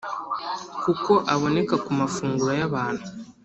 kuko aboneka ku mafunguro y’abantu